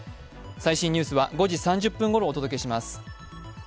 最新ニュースは５時３０分ごろお届けします。